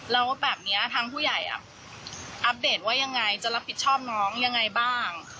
แล้วแบบนี้ทางผู้ใหญ่อัปเดตว่ายังไงจะรับผิดชอบน้องยังไงบ้าง